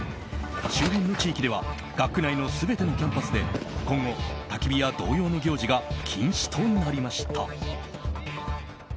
周辺の地域では学区内の全てのキャンパスで今後、たき火や同様の行事が禁止となりました。